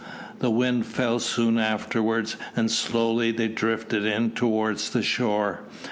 The wind fell soon afterwards, and slowly they drifted in toward the shore.